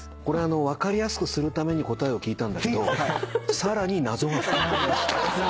分かりやすくするために答えを聞いたんだけどさらに謎が深まりました。